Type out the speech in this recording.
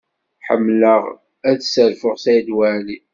Ḥemmleɣ ad sserfuɣ Saɛid Waɛli.